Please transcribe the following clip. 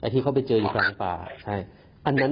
ที่เขาไปเจอที่ฝั่งปลาใช่อันนั้น